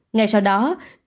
ngày sau đó trí bị giết